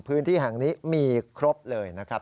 พื้นที่แห่งนี้มีครบเลยนะครับ